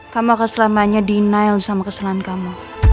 kamu akan selamanya denial sama kesalahan kamu